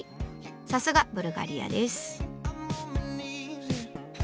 さすがブルガリアです。